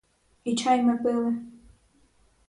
І чай ми пили.